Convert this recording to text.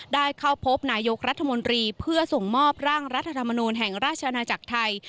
ได้เข้าพบนายกรัฐมนตรีเพื่อส่งมอบร่างรัฐธรรมนูลแห่งราชอาณาจักรไทย